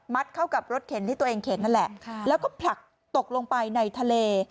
เข้ากับรถเข็นที่ตัวเองเข็นนั่นแหละแล้วก็ผลักตกลงไปในทะเล